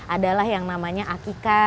ada lah yang namanya akika